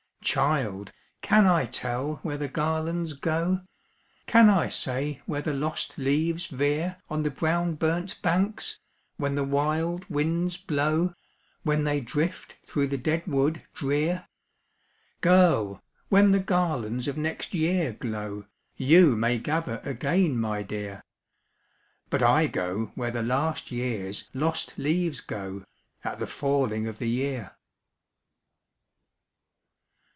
"Child! can I tell where the garlands go? Can I say where the lost leaves veer On the brown burnt banks, when the wild winds blow, When they drift through the dead wood drear? Girl! when the garlands of next year glow, YOU may gather again, my dear But I go where the last year's lost leaves go At the falling of the year."